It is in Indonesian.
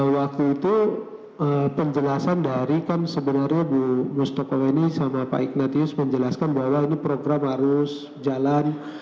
waktu itu penjelasan dari kan sebenarnya bu mustokoweni sama pak ignatius menjelaskan bahwa ini program harus jalan